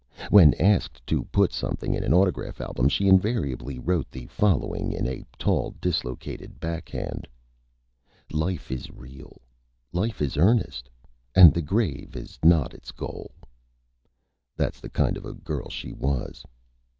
When asked to put Something in an Autograph Album she invariably wrote the Following, in a tall, dislocated Back Hand: "Life is Real; life is Earnest, And the Grave is not its Goal." That's the kind of a Girl she was.